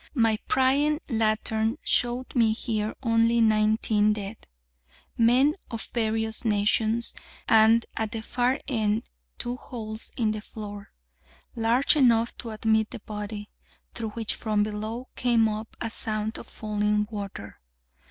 My prying lantern showed me here only nineteen dead, men of various nations, and at the far end two holes in the floor, large enough to admit the body, through which from below came up a sound of falling water.